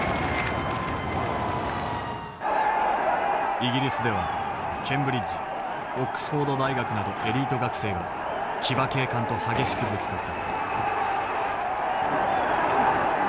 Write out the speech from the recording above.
イギリスではケンブリッジオックスフォード大学などエリート学生が騎馬警官と激しくぶつかった。